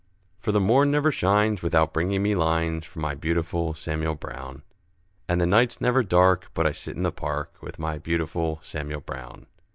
For the morn never shines, without bringing me lines, From my beautiful Samuel Brown; And the night's never dark, but I sit in the park With my beautiful Samuel Brown.